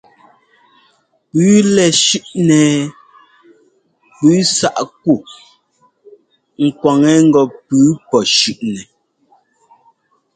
Pʉ́ʉ lɛ́ shʉ́ꞌnɛ ɛɛ pʉ́ʉ sáꞌ kú ŋ kwaŋɛ ŋgɔ pʉ́ʉ pɔ́ shʉ́ꞌnɛ.